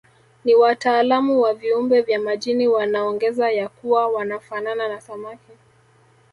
Na wataalamu wa viumbe vya majini wanaongeza ya kuwa wanafanana na samaki